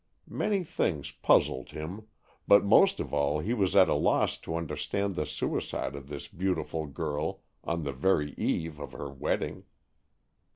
Many things puzzled him, but most of all he was at a loss to understand the suicide of this beautiful girl on the very eve of her wedding.